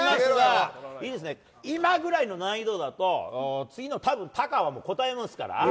今くらいの難易度だと次のタカは答えますから。